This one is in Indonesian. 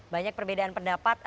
banyak perbedaan pendapat